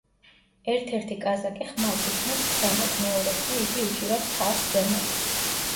ერთ-ერთი კაზაკი ხმალს იქნევს ქვემოთ, მეორეს კი იგი უჭირავს თავს ზემოთ.